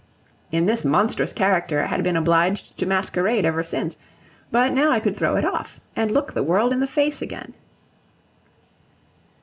In this monstrous character I had been obliged to masquerade ever since; but now I could throw it off, and look the world in the face again.